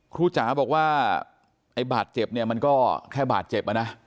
จ๋าบอกว่าไอ้บาดเจ็บเนี่ยมันก็แค่บาดเจ็บนะ